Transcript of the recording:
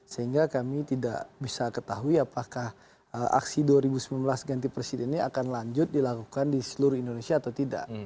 sehingga kami tidak bisa ketahui apakah aksi dua ribu sembilan belas ganti presiden ini akan lanjut dilakukan di seluruh indonesia atau tidak